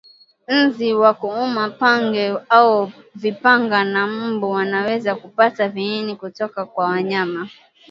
Nzi wa kuuma pange au vipanga na mbu wanaweza kupata viini kutoka kwa mnyama